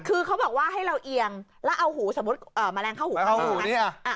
คือเขาบอกว่าให้เราเอียงแล้วเอาหูสมมุติแมลงเข้าหูเข้าหู